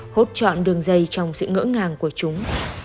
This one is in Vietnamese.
hốt chọn đường dây trong sự ngỡ ngàng của chúng